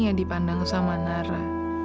yang dipandang sama nara